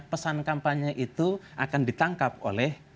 pesan kampanye itu akan ditangkap oleh